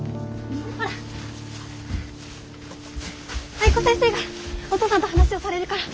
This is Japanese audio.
藍子先生がお父さんと話をされるから。